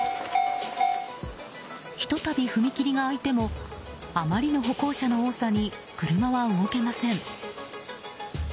ひと度、踏切が開いてもあまりの歩行者の多さに車は動けません。